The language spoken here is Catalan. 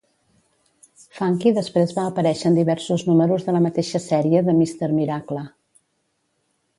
Funky després va aparèixer en diversos números de la mateixa sèrie de Mister Miracle.